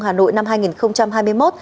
hà nội năm hai nghìn hai mươi một